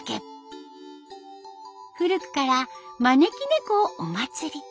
古くから招き猫をおまつり。